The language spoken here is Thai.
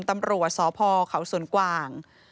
ตำรวจสพเขาสวนกวาง